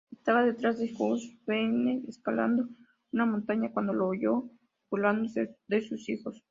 Estaba detrás de Schwarzenegger escalando una montaña, cuando lo oyó burlándose de sus hijos.